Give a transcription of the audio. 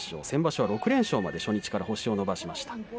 先場所は６連勝まで初日から星を伸ばしました。